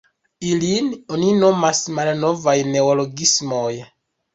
Ilin oni nomas "malnovaj neologismoj".